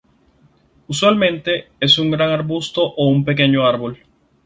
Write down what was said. Usualmente es un gran arbusto o un pequeño árbol.